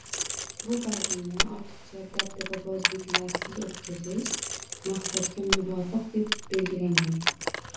Bu bazmni ortiqcha dabdababozliklarsiz o‘tkazish maqsadga muvofiq deb belgilangan